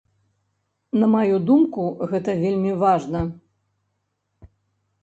На маю думку, гэта вельмі важна.